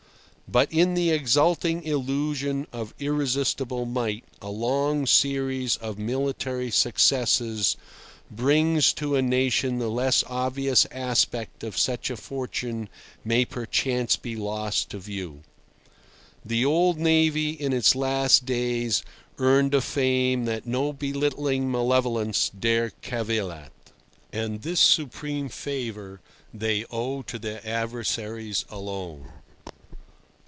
But in the exulting illusion of irresistible might a long series of military successes brings to a nation the less obvious aspect of such a fortune may perchance be lost to view. The old navy in its last days earned a fame that no belittling malevolence dare cavil at. And this supreme favour they owe to their adversaries alone.